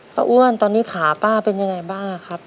อ้วนตอนนี้ขาป้าเป็นยังไงบ้างครับ